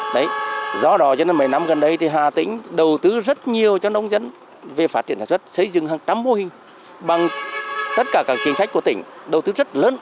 đấy do đó cho nên mấy năm gần đây thì hà tĩnh đầu tư rất nhiều cho nông dân về phát triển sản xuất xây dựng hàng trăm mô hình bằng tất cả các chính sách của tỉnh đầu tư rất lớn